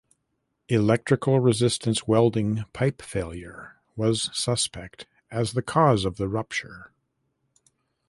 Electric resistance welding pipe failure was suspect as the cause of the rupture.